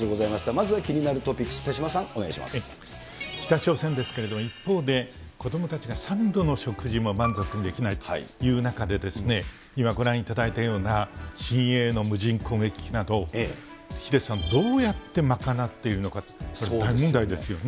まずは気になるトピックス、北朝鮮ですけれども、一方で、子どもたちが３度の食事も満足にできないという中で、今、ご覧いただいたような新鋭の無人攻撃機など、ヒデさん、どうやって賄っているのか、これ、大問題ですよね。